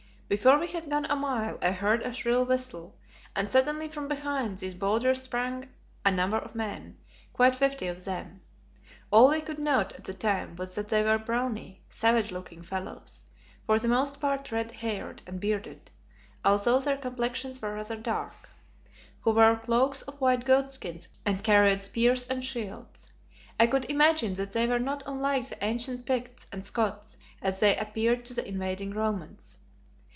Before we had gone a mile I heard a shrill whistle, and suddenly from behind these boulders sprang a number of men, quite fifty of them. All we could note at the time was that they were brawny, savage looking fellows, for the most part red haired and bearded, although their complexions were rather dark, who wore cloaks of white goat skins and carried spears and shields. I should imagine that they were not unlike the ancient Picts and Scots as they appeared to the invading Romans.